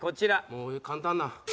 もう簡単な。